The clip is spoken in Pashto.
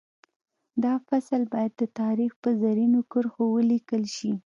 دا فصل باید د تاریخ په زرینو کرښو ولیکل شي